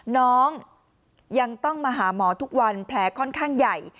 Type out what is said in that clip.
น้องยังต้องมาหาหมอทุกวันแผลค่อนข้างใหญ่